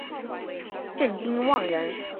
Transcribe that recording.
郑丁旺人。